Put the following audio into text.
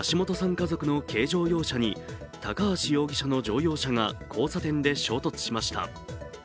家族の軽乗用車に高橋容疑者の乗用車が交差点で衝突しました。